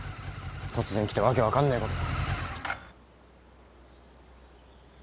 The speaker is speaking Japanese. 突然来て訳分かんねえこと。